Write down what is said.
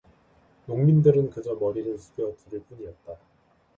농민들은 그저 머리를 숙여 들을 뿐이었다.